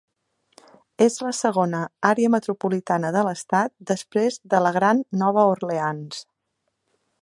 És la segona àrea metropolitana de l'estat després de la Gran Nova Orleans.